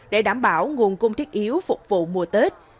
để đảm bảo nguồn cung thiết yếu phục vụ mùa tết